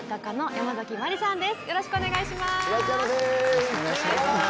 よろしくお願いします。